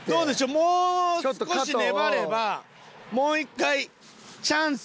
もう少し粘ればもう１回チャンスが。